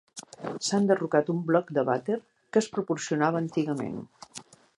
S'ha enderrocat un bloc de vàter que es proporcionava antigament.